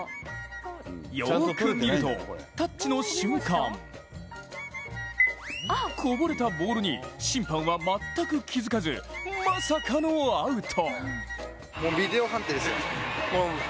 よーく見るとタッチの瞬間こぼれたボールに審判は全く気付かずまさかのアウト。